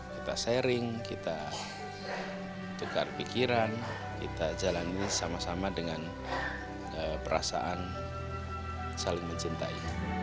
kita sharing kita tukar pikiran kita jalani sama sama dengan perasaan saling mencintai